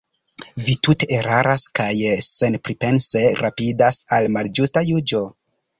Vi tute eraras kaj senpripense rapidas al malĝusta juĝo.